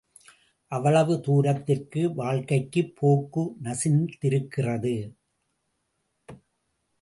அவ்வளவு தூரத்திற்கு வாழ்க்கைப் போக்கு நசித்திருக்கிறது.